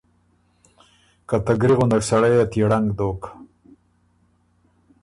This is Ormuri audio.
که ته ګری غُندک سړئ ت يې ړنګ دوک“